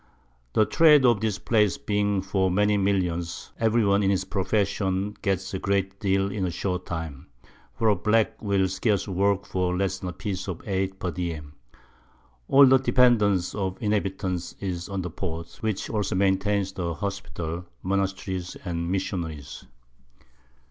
The Trade of this Place being for many Millions, every one, in his Profession gets a great deal in a short time; for a Black will scarce work for less than a Piece of 8 per diem, All the Dependance of the Inhabitants is on the Port, which also maintains the Hospitals, Monasteries and Missionaries.